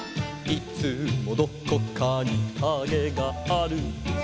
「いつもどこかにカゲがある」